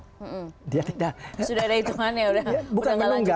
sudah ada hitungannya